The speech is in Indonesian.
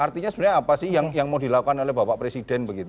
artinya sebenarnya apa sih yang mau dilakukan oleh bapak presiden begitu